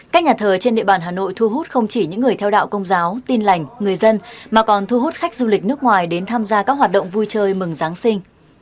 các nhà thờ trên địa bàn hà nội thu hút không chỉ những người theo đạo công giáo tin lành người dân mà còn thu hút khách du lịch nước ngoài đến tham gia các hoạt động vui chơi mừng giáng sinh